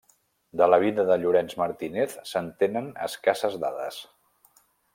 De la vida de Llorenç Martínez se'n tenen escasses dades.